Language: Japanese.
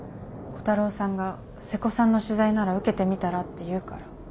虎太郎さんが瀬古さんの取材なら受けてみたらって言うから。